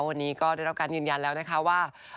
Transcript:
วันนี้ก็ได้รับการยืนยันแล้วนะคะว่า